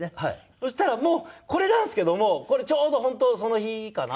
そしたらもうこれなんですけどもこれちょうど本当その日かな？